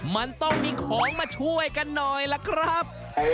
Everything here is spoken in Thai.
มันต้องมีของมาช่วยกันหน่อยล่ะครับ